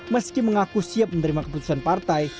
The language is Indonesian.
meski mengaku siap menerima keputusan partai